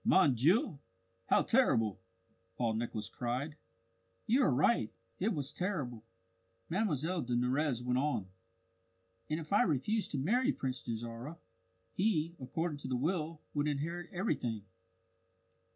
Mon Dieu, how terrible!" Paul Nicholas cried. "You are right. It was terrible!" Mlle de Nurrez went on. "And if I refused to marry Prince Dajarah, he, according to the will, would inherit everything.